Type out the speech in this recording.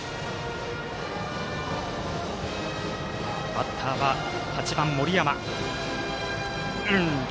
バッターは８番、森山。